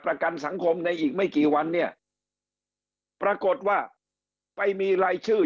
ประกันสังคมในอีกไม่กี่วันเนี่ยปรากฏว่าไปมีรายชื่อ